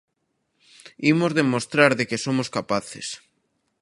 Imos demostrar de que somos capaces.